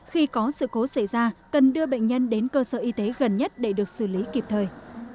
khi có sự cố xảy ra cần đưa bệnh nhân đến cơ sở y tế gần nhất để được xử lý kịp thời